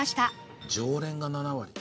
常連が７割。